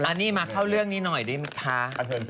ดึงนี่มาเข้าเรื่องนี่หน่อยได้มั้ยคะ